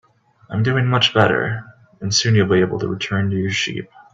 I'm doing much better, and soon you'll be able to return to your sheep.